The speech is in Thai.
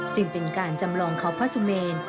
จึงเป็นการจำลองเขาพระสุเมน